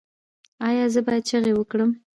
ایا زه باید چیغې وکړم؟